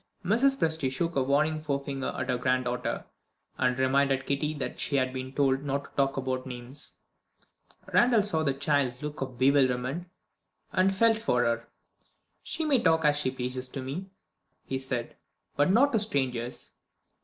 Mrs. Presty shook a warning forefinger at her granddaughter, and reminded Kitty that she had been told not to talk about names. Randal saw the child's look of bewilderment, and felt for her. "She may talk as she pleases to me," he said "but not to strangers.